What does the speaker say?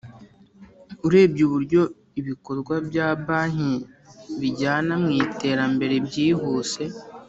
Urebye Uburyo Ibikorwa Bya Banki Bijyana Mwitera Mbere Byihuse